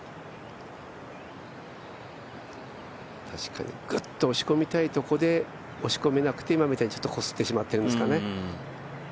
確かに、グッと押し込みたいところで押し込めなくて、今みたいにちょっとこすってしまってるんですかね。